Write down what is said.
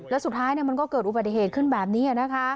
แล้วสุดท้ายมันก็เกิดอุบัติเหตุขึ้นแบบนี้